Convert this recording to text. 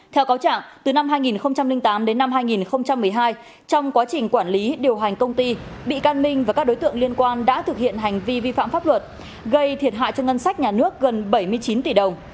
theo cáo trạng từ năm hai nghìn tám đến năm hai nghìn một mươi hai trong quá trình quản lý điều hành công ty bị can minh và các đối tượng liên quan đã thực hiện hành vi vi phạm pháp luật gây thiệt hại cho ngân sách nhà nước gần bảy mươi chín tỷ đồng